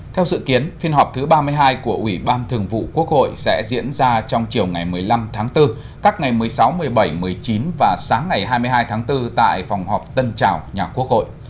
theo dự kiến phiên họp thứ ba mươi hai của ủy ban thường vụ quốc hội sẽ diễn ra trong chiều ngày một mươi năm tháng bốn các ngày một mươi sáu một mươi bảy một mươi chín và sáng ngày hai mươi hai tháng bốn tại phòng họp tân trào nhà quốc hội